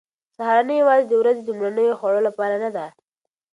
سهارنۍ یوازې د ورځې د لومړنیو خوړو لپاره نه ده.